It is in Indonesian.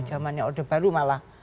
jamannya orde baru malah